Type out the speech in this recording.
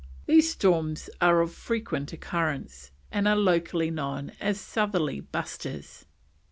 These storms are of frequent occurrence, and are locally known as Southerly Busters.